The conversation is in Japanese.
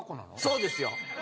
そうですよ。